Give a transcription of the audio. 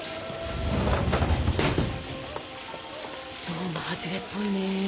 どうもハズレっぽいね。